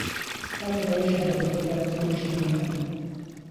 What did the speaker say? تا کۆتایی شەڕ دەکەین بۆ پاراستنی نیشتمانەکەمان.